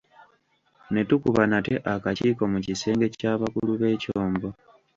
Ne tukuba nate akakiiko mu kisenge ky'abakulu b'ekyombo.